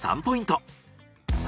３ポイント。